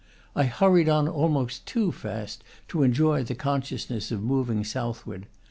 I hurried on almost too fast to enjoy the consciousness of moving southward.